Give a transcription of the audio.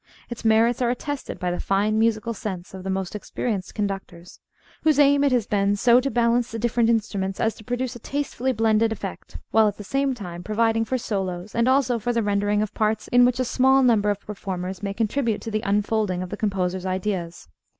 Its merits are attested by the fine musical sense of the most experienced conductors, whose aim it has been so to balance the different instruments as to produce a tastefully blended effect, while at the same time providing for solos and also for the rendering of parts in which a small number of performers may contribute to the unfolding of the composer's ideas.